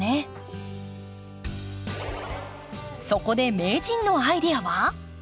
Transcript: そこで名人のアイデアは？